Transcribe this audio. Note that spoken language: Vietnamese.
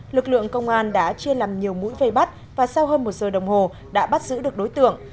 lực lượng công an đã chia làm nhiều mũi vây bắt và sau hơn một giờ đồng hồ đã bắt giữ được đối tượng